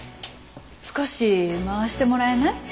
少し回してもらえない？